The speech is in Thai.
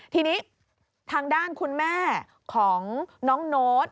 ทีนี้ทางด้านคุณแม่ของน้องโน้ต